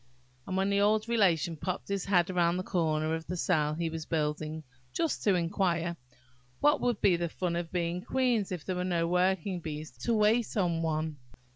And when the old Relation popped his head round the corner of the cell he was building, just to inquire, "What would be the fun of being queens, if there were no working bees to wait on one?"